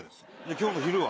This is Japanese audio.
今日の昼は？